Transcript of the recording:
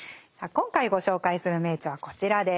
今回ご紹介する名著はこちらです。